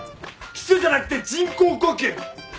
キスじゃなくて人工呼吸！